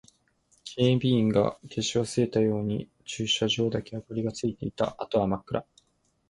警備員が消し忘れたように駐輪場だけ明かりがついていた。あとは真っ暗。